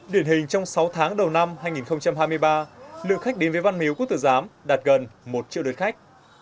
điển hình trong sáu tháng đầu năm hai nghìn hai mươi ba lượng khách đến với văn miếu quốc tử giám đạt gần một triệu lượt khách